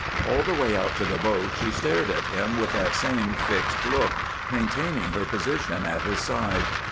All the way out to the boat she stared at him with that same fixed look, maintaining her position at his side.